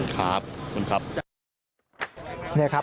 ครับคุณครับ